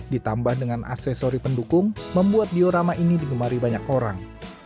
ditambah dengan aksesori pendukung membuat diorama ini digemari banyak orang